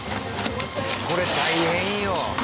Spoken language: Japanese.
これ大変よ。